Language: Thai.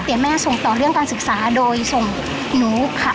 เตี๋ยวแม่ส่งต่อเรื่องการศึกษาโดยส่งหนู